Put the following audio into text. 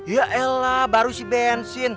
ya elah baru isi bensin